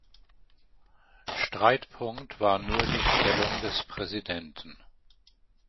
Streitpunkt war nur die Stellung des Präsidenten.